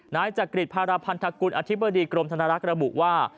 นายจักริจภารพันธกุลอธิบดีกรมธนรักษ์ระบุว่า